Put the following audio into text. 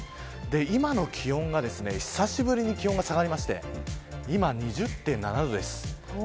今の気温が、久しぶりに気温が下がりまして今２０．７度です。